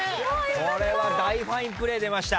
これは大ファインプレー出ました。